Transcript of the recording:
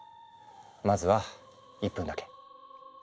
まずは１分だけ。